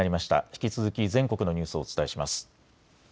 引き続き全国のニュースをお伝えします。